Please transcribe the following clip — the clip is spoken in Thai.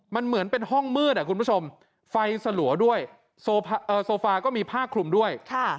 มันเหมือนเป็นห้องมืดคุณผู้ชมไฟสลัวด้วยโซฟาก็มีผ้าคลุมด้วย